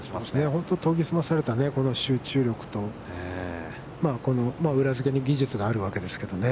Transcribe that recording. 本当に研ぎ澄まされたこの集中力と、この裏づけに技術があるわけですけどね。